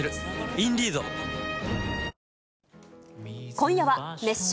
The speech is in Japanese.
今夜は熱唱！